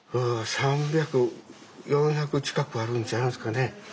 ３００４００近くあるんちゃいますかね。